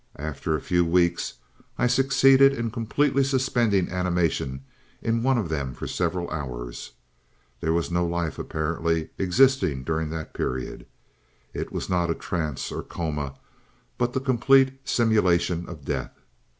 After a few weeks I succeeded in completely suspending animation in one of them for several hours. There was no life apparently existing during that period. It was not a trance or coma, but the complete simulation of death.